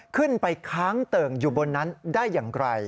ค้างเติ่งอยู่บนนั้นได้อย่างไร